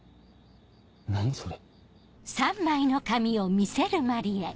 何それ。